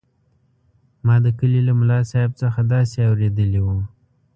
ما د کلي له ملاصاحب څخه داسې اورېدلي وو.